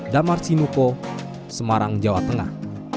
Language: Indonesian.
damar sinuko semarang jawa tengah